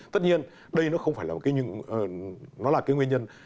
tất nhiên đây nó không phải là một cái nguyên nhân